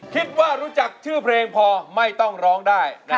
คิดว่ารู้จักชื่อเพลงพอไม่ต้องร้องได้